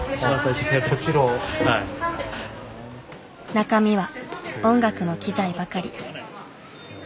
中身は音楽の機材ばかり。